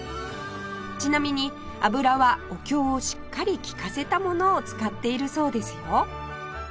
ちなみに油はお経をしっかり聞かせたものを使っているそうですよ